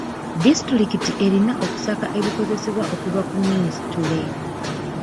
Disitulikiti erina okusaka ebikozesebwa okuva ku minisitule.